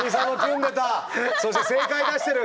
そして正解出してる！